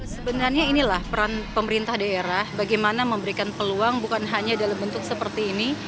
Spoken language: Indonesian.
sebenarnya inilah peran pemerintah daerah bagaimana memberikan peluang bukan hanya dalam bentuk seperti ini